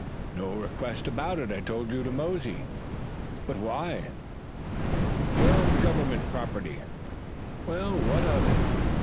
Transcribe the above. "No request about it. I told you to mosey." "But why?" "You're on government property." "Well, what of it?"